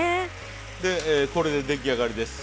これで出来上がりです。